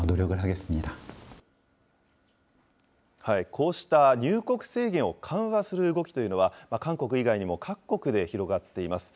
こうした入国制限を緩和する動きというのは、韓国以外にも各国で広がっています。